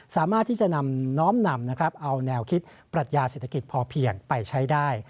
สามารถที่จะนำน้อมนำเอาแนวคิดปรัชญาเศรษฐกิจพอเพียงไปใช้ได้